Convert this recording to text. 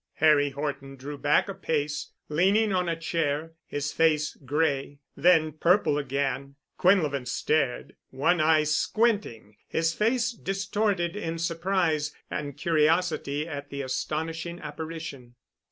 Harry Horton drew back a pace, leaning on a chair, his face gray, then purple again. Quinlevin stared, one eye squinting, his face distorted in surprise and curiosity at the astonishing apparition.